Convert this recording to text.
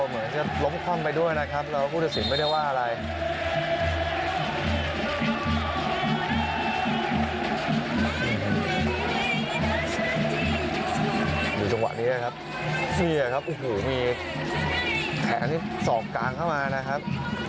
ดูจงหวะนี้นี่ครับได้เลยครับโอ้โหเคนี่สอบกลางเข้ามานะครับ